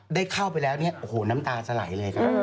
ได้เข้าไปแล้วเนี่ยน้ำตาจะไหลเลย